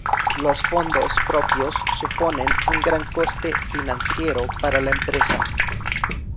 Los fondos propios suponen un gran coste financiero para la empresa.